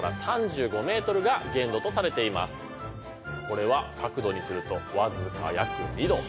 これは角度にすると僅か約２度。